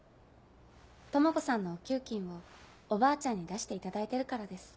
友子さんのお給金をおばあちゃんに出していただいてるからです。